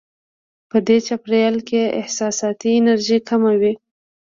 په دې چاپېریال کې احساساتي انرژي کمه وي.